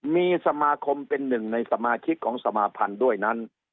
มีสมาคมเป็นหนึ่งในสมาชิกของสมาพันธ์ด้วยนั้น